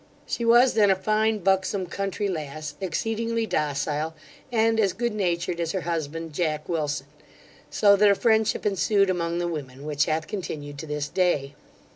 She was then a fine buxom country lass, exceedingly docile, and as good natured as her husband Jack Wilson; so that a friendship ensued among the women, which hath continued to this day.